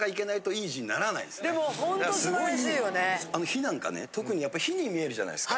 「火」なんかね特にやっぱ火に見えるじゃないですか。